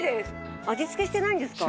味付けしてないんですか？